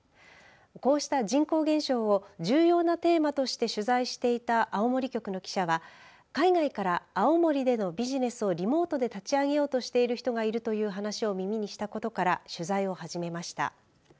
こうした人口減少を重要なテーマとして取材していた青森局の記者は海外から青森でのビジネスをリモートで立ち上げようとしている人がいるという話を耳にしたことから取材を始めました。